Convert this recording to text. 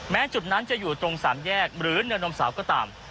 จุดนั้นจะอยู่ตรงสามแยกหรือเนินนมสาวก็ตาม